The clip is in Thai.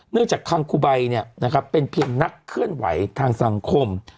เนื่องจากค้างคู่ใบเนี่ยเป็นเพียงนักเคลื่อนไหวทางสังคม